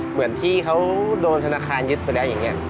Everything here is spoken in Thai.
เหมือนที่เขาโดนธนาคารยึดไปแล้วอย่างนี้